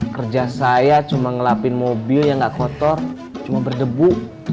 kerja saya cuma ngelapin mobil yang nggak kotor cuma berdebu